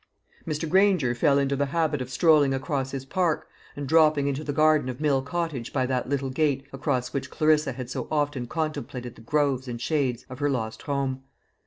Mr. Granger fell into the habit of strolling across his park, and dropping into the garden of Mill Cottage by that little gate across which Clarissa had so often contemplated the groves and shades of her lost home.